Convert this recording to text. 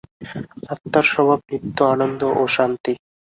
আত্মার স্বভাব নিত্য আনন্দ ও শান্তি।